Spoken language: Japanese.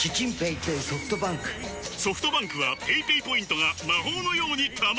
ソフトバンクはペイペイポイントが魔法のように貯まる！